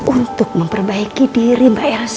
untuk memperbaiki diri mbak yasa